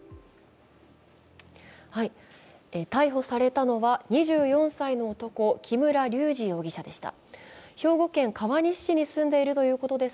逮捕されたのは２４歳の男、木村隆二容疑者でした。